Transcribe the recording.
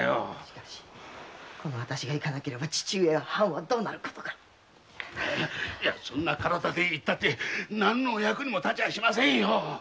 しかしわたしが行かねば父上や藩はどうなることかそんな体で行ったって何の役にも立ちませんよ。